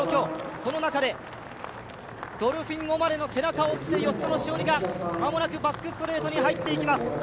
その中で、ドルフィン・オマレの背中を追って、吉薗栞が間もなくバックストレートに入っていきます。